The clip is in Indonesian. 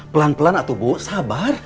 pelan pelan atau bu sabar